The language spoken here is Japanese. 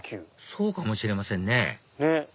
そうかもしれませんねねっ。